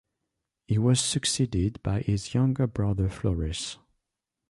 He was succeeded by his younger brother Floris.